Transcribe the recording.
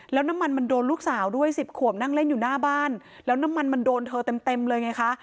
แล้วน้ำมันมันโดนลูกสาวด้วย๑๐ขวบนั่งเล่นอยู่หน้าบ้านแล้วน้ำมันมันโดนเธอเต็มเต็มเลยไงคะ